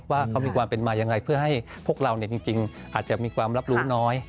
ว่าเขามีความเป็นมายังไงเพื่อให้พวกเราจริงอาจจะมีความรับรู้น้อย